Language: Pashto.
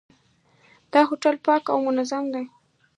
دا هوټل پاک او منظم دی.